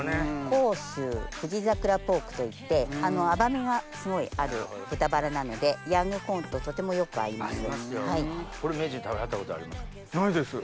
甲州富士桜ポークといって甘みがすごいある豚バラなのでヤングコーンととてもよく合います。